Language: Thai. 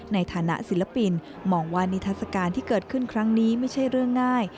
ในฐานะศิลปินมองว่านิทัศกาลที่เกิดขึ้นครั้งนี้ไม่ใช่เรื่องง่าย